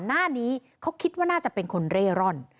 หน้านี้เขาคิดว่าน่าจะเป็นคนเร่ร่อน